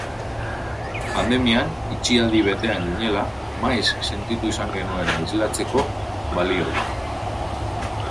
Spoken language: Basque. Pandemian, itxialdi betean ginela, maiz sentitu izan genuena islatzeko balio du.